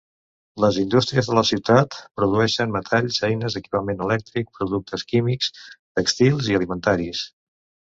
Les indústries de la ciutat produeixen metalls, eines, equipament elèctric, productes químics, tèxtils i alimentaris.